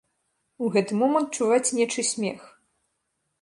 У гэты момант чуваць нечый смех.